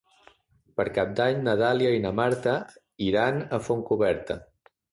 Per Cap d'Any na Dàlia i na Marta iran a Fontcoberta.